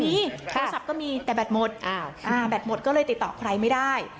มีโทรศัพท์ก็มีแต่แบตหมดแบตหมดก็เลยติดต่อใครไม่ได้